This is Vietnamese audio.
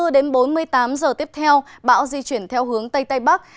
hai mươi bốn đến bốn mươi tám giờ tiếp theo bão di chuyển theo hướng tây tây bắc